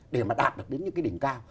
để mà đạt được đến những cái đỉnh cao